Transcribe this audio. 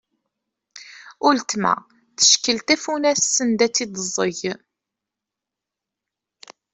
Ultma teckel tafunast send ad tt-id-teẓẓeg.